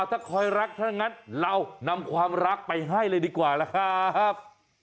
ถ้าคอยรักถ้างั้นเรานำความรักไปให้เลยดีกว่าล่ะครับ